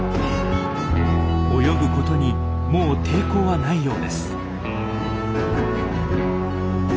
泳ぐことにもう抵抗はないようです。